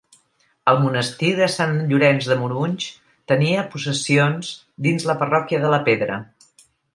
El monestir de Sant Llorenç de Morunys tenia possessions dins la parròquia de la Pedra.